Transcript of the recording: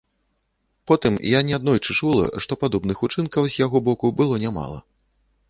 Потым я неаднойчы чула, што падобных учынкаў з яго боку было нямала.